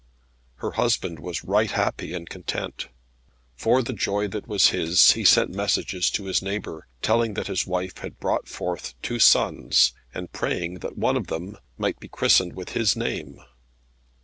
Her husband was right happy and content. For the joy that was his, he sent messages to his neighbour, telling that his wife had brought forth two sons, and praying that one of them might be christened with his name.